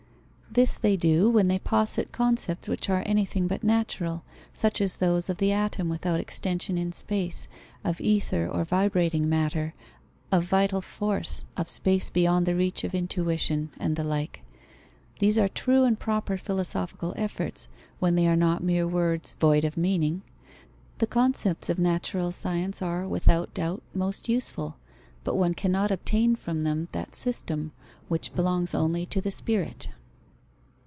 This they do when they posit concepts which are anything but natural, such as those of the atom without extension in space, of ether or vibrating matter, of vital force, of space beyond the reach of intuition, and the like. These are true and proper philosophical efforts, when they are not mere words void of meaning. The concepts of natural science are, without doubt, most useful; but one cannot obtain from them that system, which belongs only to the spirit.